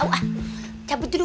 aw ah cabut dulu